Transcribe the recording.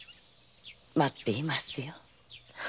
待っていますよ。